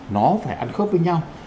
nó phải ăn khớp với nhau